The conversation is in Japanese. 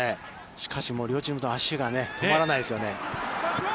しかし、両チームとも足が止まらないですよね。